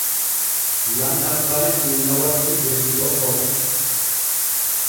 Lamɗam bane inna watti der li’o kon.